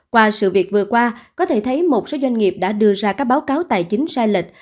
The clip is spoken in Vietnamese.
qua sự việc vừa qua có thể thấy một số doanh nghiệp đã đưa ra các báo cáo tài chính sai lệch